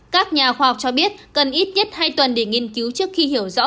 các nhà khoa học cho biết cần ít nhất hai tuần để nghiên cứu trước khi hiểu rõ